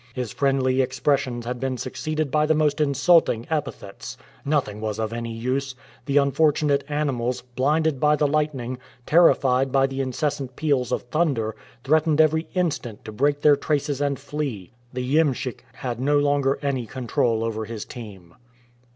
His friendly expressions had been succeeded by the most insulting epithets. Nothing was of any use. The unfortunate animals, blinded by the lightning, terrified by the incessant peals of thunder, threatened every instant to break their traces and flee. The iemschik had no longer any control over his team.